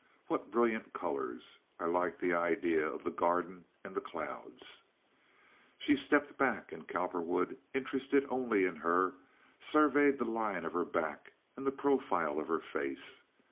"What brilliant colors! I like the idea of the garden and the clouds." She stepped back, and Cowperwood, interested only in her, surveyed the line of her back and the profile of her face.